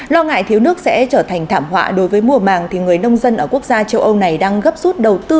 lo ngại thiếu nước sẽ trở thành thảm họa đối với mùa màng thì người nông dân ở quốc gia châu âu này đang gấp rút đầu tư